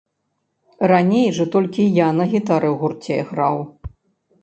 Раней жа толькі я на гітары ў гурце граў.